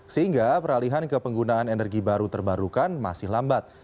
sehingga peralihan ke penggunaan energi baru terbarukan masih lambat